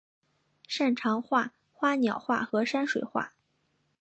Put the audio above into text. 擅长画花鸟画和山水画。